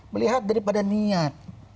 melihat daripada niat